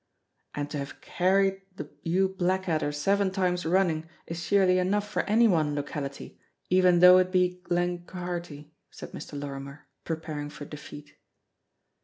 "And to have carried the Hugh Blackadder seven times running is surely enough for any one locality, even though it be Glenquharity," said Mr. Lorrimer, preparing for defeat.